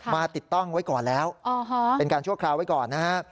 ติดตั้งไว้ก่อนแล้วเป็นการชั่วคราวไว้ก่อนนะฮะ